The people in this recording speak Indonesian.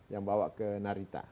yang bawa ke narita